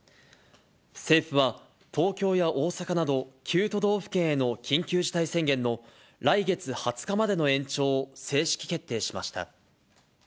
政府は、東京や大阪など、９都道府県への緊急事態宣言の来月２０日までの延長を正式決定しました。